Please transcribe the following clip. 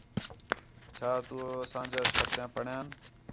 چھا تَؤ اَساں جیاں شرطیاں پڑھئین؟